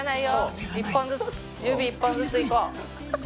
指１本ずついこう。